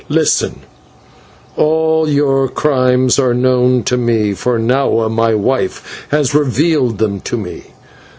Listen: all your crimes are known to me, for Nahua, my wife, has revealed them to me.